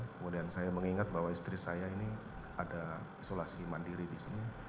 kemudian saya mengingat bahwa istri saya ini ada isolasi mandiri di sini